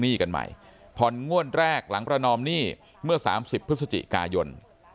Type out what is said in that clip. กันใหม่ผ่อนงวดแรกหลังประนอมหนี้เมื่อ๓๐พฤศจิกายน